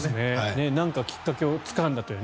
なんかきっかけをつかんだという。